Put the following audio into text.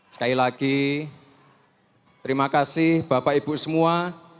sekali lagi terima kasih bapak ibu semua